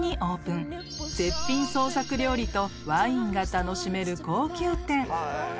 ［絶品創作料理とワインが楽しめる高級店］